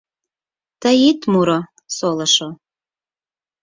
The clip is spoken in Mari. Тый ит муро, солышо